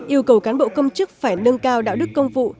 yêu cầu cán bộ công chức phải nâng cao đạo đức công vụ